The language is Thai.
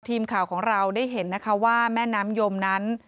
ทีมข่าวของเราได้เห็นนะคะว่าแม่น้ำยมนั้น